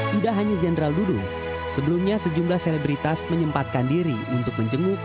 tidak hanya general dudung sebelumnya sejumlah selebritas menyempatkan diri untuk menjenguk